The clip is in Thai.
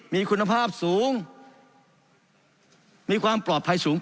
มีคุณภาพสูงมีความปลอดภัยสูง